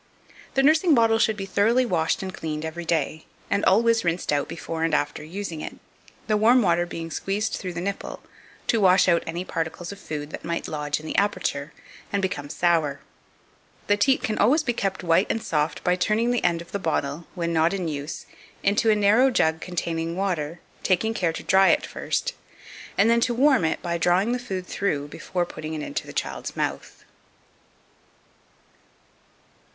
The nursing bottle should be thoroughly washed and cleaned every day, and always rinsed out before and after using it, the warm water being squeezed through the nipple, to wash out any particles of food that might lodge in the aperture, and become sour. The teat can always be kept white and soft by turning the end of the bottle, when not in use, into a narrow jug containing water, taking care to dry it first, and then to warm it by drawing the food through before putting it into the child's mouth.